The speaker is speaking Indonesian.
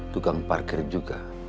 tukang parkir juga